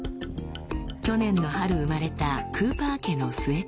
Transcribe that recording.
去年の春生まれたクーパー家の末っ子です。